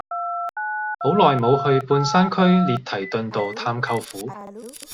好耐無去半山區列堤頓道探舅父